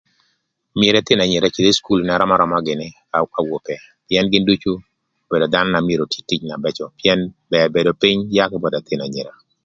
Myero ëthïn anyira öcïdh ï cukul na röm aröma gïnï k'awope pïën gïn ducu obedo dhanö na myero oti tic na bëcö, pïën bër bedo pïny yaa kï both ëthïnö anyira.